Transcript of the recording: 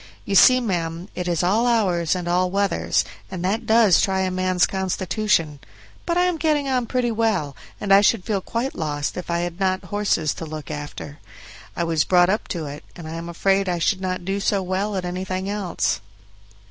You see, ma'am, it is all hours and all weathers, and that does try a man's constitution; but I am getting on pretty well, and I should feel quite lost if I had not horses to look after. I was brought up to it, and I am afraid I should not do so well at anything else."